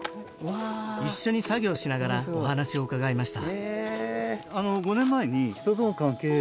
一緒に作業しながらお話を伺いました